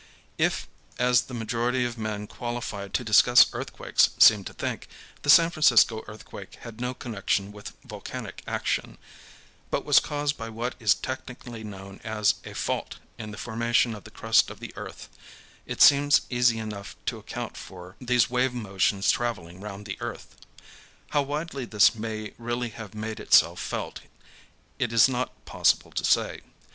If, as the majority of men qualified to discuss earthquakes seem to think, the San Francisco earthquake had no connection with volcanic action, but was caused by what is technically known as a "fault" in the formation of the crust of the earth, it seems easy enough to account for these wave motions travelling round the earth. How widely this may really have made itself felt it is not possible to say.